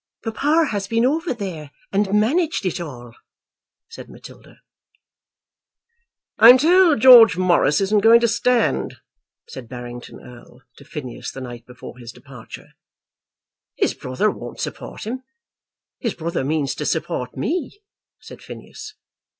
"Papa has been over there and managed it all," said Matilda. "I'm told George Morris isn't going to stand," said Barrington Erle to Phineas the night before his departure. "His brother won't support him. His brother means to support me," said Phineas.